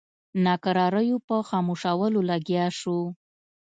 ناکراریو په خاموشولو لګیا شو.